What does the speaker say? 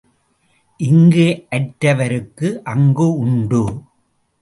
இங்கு அற்றவருக்கு அங்கு உண்டு.